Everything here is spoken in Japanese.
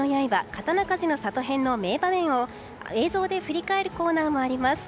刀鍛冶の里編」の名場面を映像で振り返るコーナーもあります。